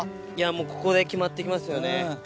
もうここで決まって来ますよね。